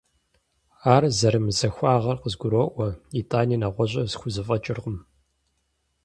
Ар зэрымызахуагъэр къызгуроӀуэ, итӀани, нэгъуэщӀу схузэфӀэкӀыркъым.